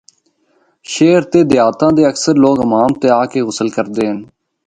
شہر تے دیہاتاں دے اکثر لوگ حمام تے آ کے غسل کردے ہن۔